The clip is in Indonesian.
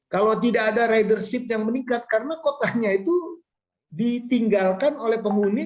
kalau tidak ada ridership yang meningkat karena kotanya itu ditinggalkan oleh penghuni